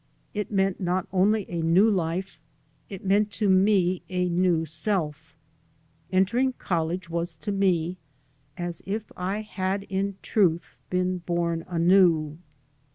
It meant not only a new life; it meant to me a new self. Enter ing college was to me as if I had in truth been bom anew.